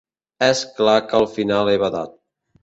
És clar que al final he badat.